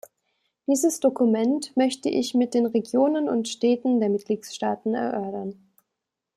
Dieses Dokument möchte ich mit den Regionen und Städten der Mitgliedstaaten erörtern.